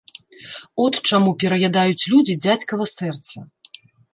От чаму пераядаюць людзі дзядзькава сэрца.